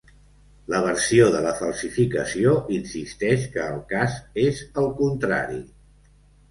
La versió de la falsificació insisteix que el cas és el contrari.